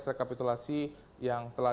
rekapitulasi yang telah